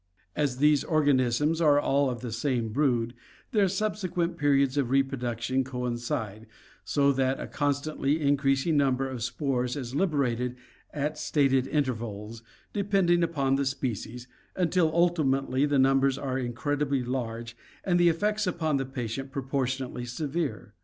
As these organisms are all of the same brood, their subsequent periods of reproduction coincide, so that a constantly increasing number of spores is liberated at stated intervals, depending upon the species, until ultimately the numbers are incredibly large, and the effects upon the patient proportionately severe.